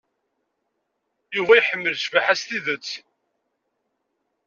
Yuba iḥemmel Cabḥa s tidet.